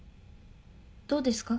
どうですか？